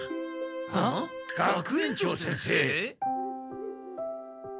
あっ学園長先生？